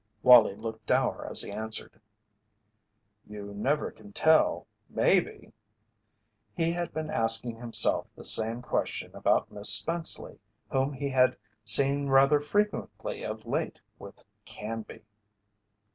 Wallie looked dour as he answered: "You never can tell maybe." He had been asking himself the same question about Miss Spenceley, whom he had seen rather frequently of late with Canby.